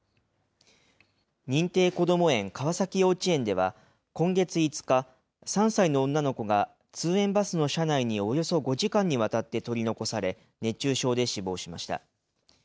認定こども園、川崎幼稚園では今月５日、３歳の女の子が通園バスの車内におよそ５時間にわたって取り残され、熱中症で死亡しました。